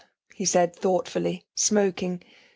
he said thoughtfully, smoking.